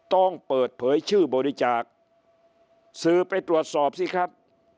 ต้องเปิดเผยชื่อบริจาคสื่อไปตรวจสอบสิครับ